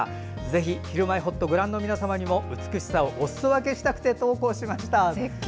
ぜひ、「ひるまえほっと」をご覧の皆さんにも美しさをおすそ分けしたくて投稿しました。